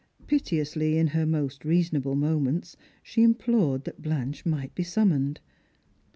Piteonsly, in her most reasonable moments, she implored that Blanche might be summoned.